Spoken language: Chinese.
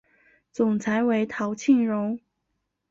总裁为陶庆荣。